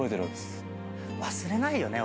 忘れないよね